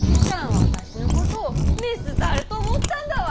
私のことを雌猿と思ったんだわ！